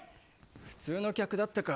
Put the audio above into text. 普通の客だったか。